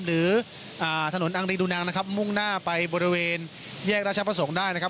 หรือถนนอังรีดูนังนะครับมุ่งหน้าไปบริเวณแยกราชประสงค์ได้นะครับ